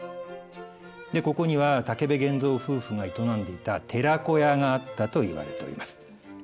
ここには武部源蔵夫婦が営んでいた寺子屋があったと言われております。